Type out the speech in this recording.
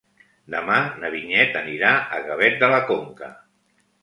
Demà na Vinyet anirà a Gavet de la Conca.